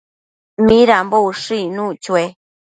¿Midambo ushëc icnuc chue?